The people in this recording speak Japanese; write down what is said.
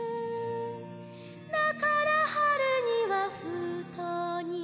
「だから春には封筒に」